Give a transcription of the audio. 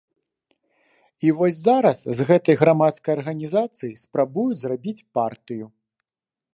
І вось зараз з гэтай грамадскай арганізацыі спрабуюць зрабіць партыю.